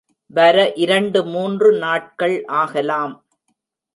வர இரண்டு மூன்று நாட்கள் ஆகலாம்.